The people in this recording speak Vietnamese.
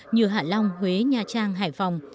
như hạ long huế nha trang hải phòng